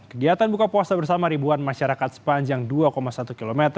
kegiatan buka puasa bersama ribuan masyarakat sepanjang dua satu km